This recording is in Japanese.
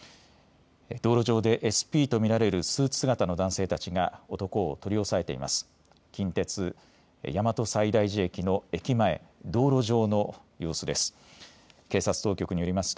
道路上でＳＰと見られるスーツ姿の男性たちが男を取り押さえています。